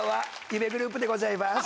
夢グループでございます。